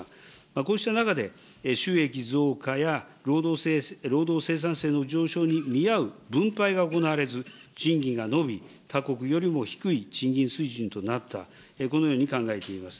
こうした中で、収益増加や労働生産性の上昇に見合う分配が行われず、賃金が伸び、他国よりも低い賃金水準となった、このように考えています。